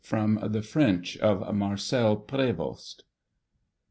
From the French of MARCEL PRÉVOST.